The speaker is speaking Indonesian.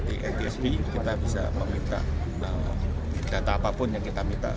pak ini yang ditemukan black box apa ya pak